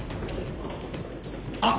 あっ！